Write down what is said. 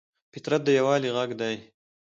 فطرت د یووالي غږ دی.